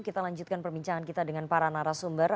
kita lanjutkan perbincangan kita dengan para narasumber